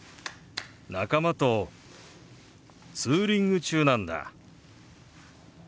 仲間とツーリング中なんだ。